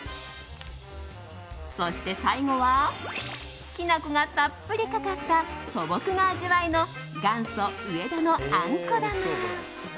そして最後はきな粉がたっぷりかかった素朴な味わいの元祖植田のあんこ玉。